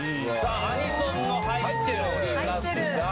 「アニソン」も入っておりますが。